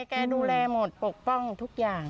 แกดูแลหมดปกป้องทุกอย่าง